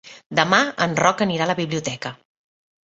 Demà en Roc anirà a la biblioteca.